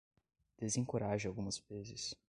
Desencoraje algumas vezes.